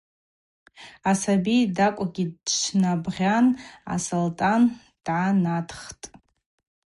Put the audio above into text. Асаби тӏакӏвгьи дчвнабыгъьгъьан а-Салтӏан дгӏанатхтӏ.